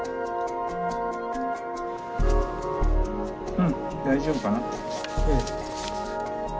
うん大丈夫かな。